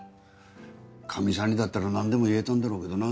カミさんにだったらなんでも言えたんだろうけどな。